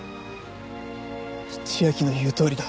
千明の言うとおりだ。